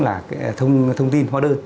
mà cũng là thông tin hóa đơn